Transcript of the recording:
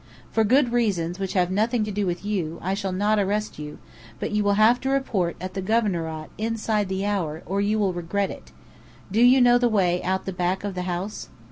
For good reasons which have nothing to do with you, I shall not arrest you, but you will have to report at the Governorat inside the hour, or you will regret it. Do you know the way out at the back of the house?"